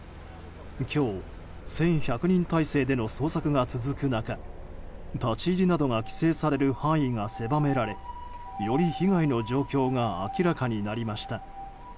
今日、１１００人態勢での捜索が続く中立ち入りなどが規制される範囲が狭められより被害の状況が明らかになりました。